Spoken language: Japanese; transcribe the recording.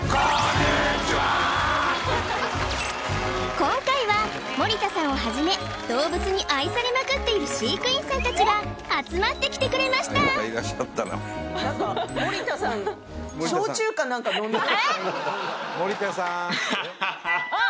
今回は盛田さんをはじめ動物に愛されまくっている飼育員さんたちが集まってきてくれました何かえっ！？